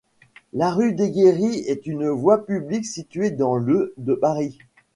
La rue Deguerry est une voie publique située dans le de Paris.